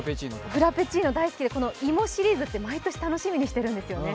フラペチーノ大好きでこの芋シリーズは毎年楽しみにしてるんですよね。